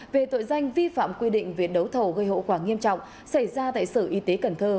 về tội danh vi phạm quy định về đấu thầu gây hậu quả nghiêm trọng xảy ra tại sở y tế cần thơ